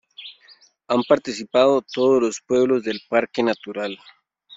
han participado todos los pueblos del parque natural